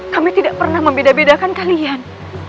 kami tidak pernah membeda bedakan kalian